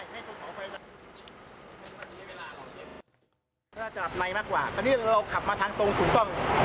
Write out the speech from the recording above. ถ้าจะหลับในมากกว่าคราวนี้เราขับมาทางตรงถูกต้อง